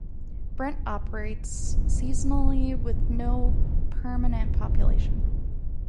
Brent operates seasonally with no permanent population.